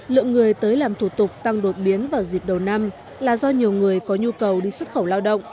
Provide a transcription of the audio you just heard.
lượng người tới làm thủ tục tăng đột biến vào dịp đầu năm là do nhiều người có nhu cầu đi xuất khẩu lao động